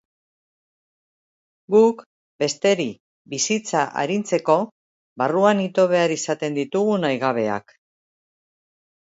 Guk, besteri bizia arintzeko, barruan ito behar izaten ditugu nahigabeak.